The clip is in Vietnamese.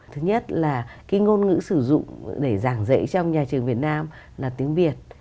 thứ nhất là cái ngôn ngữ sử dụng để giảng dạy trong nhà trường việt nam là tiếng việt